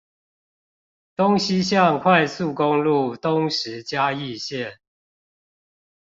東西向快速公路東石嘉義線